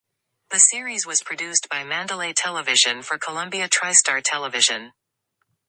The series was produced by Mandalay Television for Columbia TriStar Television.